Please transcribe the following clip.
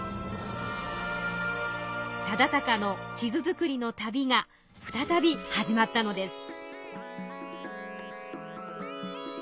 忠敬の地図作りの旅が再び始まったのです。